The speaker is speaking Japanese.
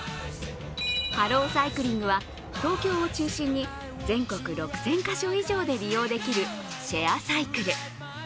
ＨＥＬＬＯＣＹＣＬＩＮＧは東京を中心に全国６０００か所以上で利用できるシェアサイクル。